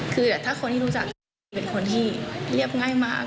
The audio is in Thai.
คือถ้าคนที่รู้จักเป็นคนที่เรียบง่ายมาก